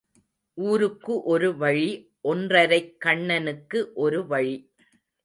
ஊருக்கு ஒரு வழி ஒன்றரைக் கண்ணனுக்கு ஒரு வழி.